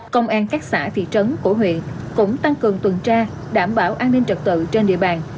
công an các xã thị trấn của huyện cũng tăng cường tuần tra đảm bảo an ninh trật tự trên địa bàn